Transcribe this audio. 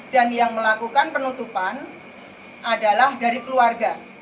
dan yang melakukan penutupan adalah dari keluarga